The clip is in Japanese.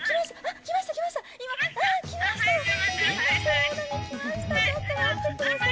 来ました、ちょっと待ってください。